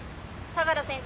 「相良先生